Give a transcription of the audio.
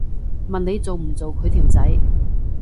問你做唔做佢條仔